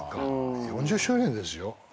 ４０周年ですよ。